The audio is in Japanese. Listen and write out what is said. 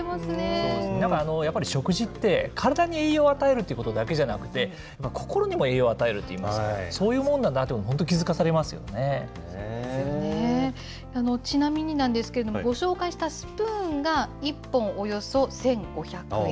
そうですね、やっぱり食事って体に栄養を与えるっていうことだけじゃなくて、心にも栄養を与えるといいますか、そういうもんなんだなと本当、気ちなみになんですけれども、ご紹介したスプーンが１本およそ１５００円。